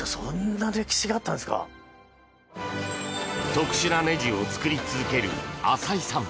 特殊なねじを作り続ける浅井さん。